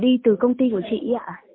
đi từ công ty của chị ạ